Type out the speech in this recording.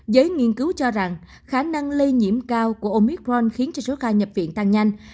giới nghiên cứu cho rằng khả năng lây nhiễm cao của omicron khiến cho số ca nhập viện tăng nhanh